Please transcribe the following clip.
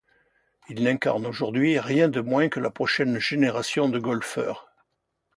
Il n'incarne aujourd'hui rien de moins que la prochaine génération de golfeurs.